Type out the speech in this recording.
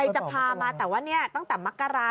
ใครจะพามาแต่ว่านี่ตั้งแต่มักกะลา